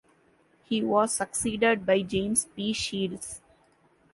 He was succeeded by James P. Shields.